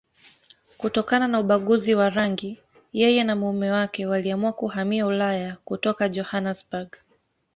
Kutokana na ubaguzi wa rangi, yeye na mume wake waliamua kuhamia Ulaya kutoka Johannesburg.